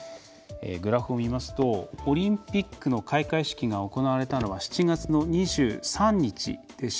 グラフを見ますとオリンピックの開会式が行われたのは７月の２３日でした。